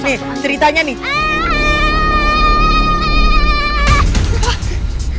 nih ceritanya nih